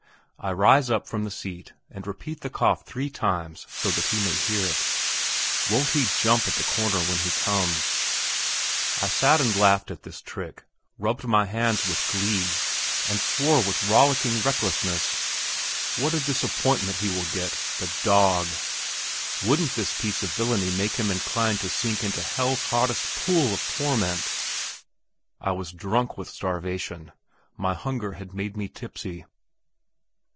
I rise up from the seat and repeat the cough three times so that he may hear it. Won't he jump at the corner when he comes. I sat and laughed at this trick, rubbed my hands with glee, and swore with rollicking recklessness. What a disappointment he will get, the dog! Wouldn't this piece of villainy make him inclined to sink into hell's hottest pool of torment! I was drunk with starvation; my hunger had made me tipsy.